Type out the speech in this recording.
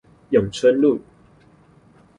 永春路